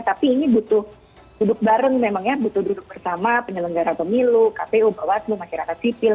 tapi ini butuh duduk bareng memang ya butuh duduk bersama penyelenggara pemilu kpu bawaslu masyarakat sipil